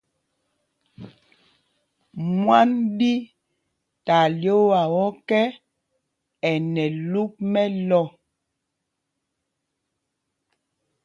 Mwân ɗi ta lyoowaa ɔkɛ́, ɛ nɛ luk mɛlɔ̂.